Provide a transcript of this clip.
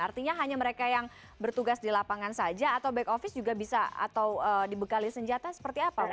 artinya hanya mereka yang bertugas di lapangan saja atau back office juga bisa atau dibekali senjata seperti apa